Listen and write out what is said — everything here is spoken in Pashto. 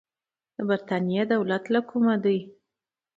د برتانیې دولت له کومه دی.